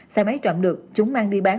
xe máy trộm được chúng mang đi bán